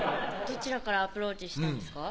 どちらからアプローチしたんですか？